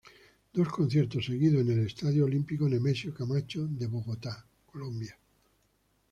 Dos conciertos seguidos en el Estadio Olímpico Nemesio Camacho de Bogotá, Colombia.